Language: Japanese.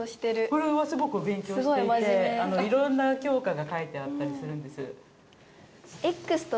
これはすごく勉強していて色んな教科が書いてあったりするんです。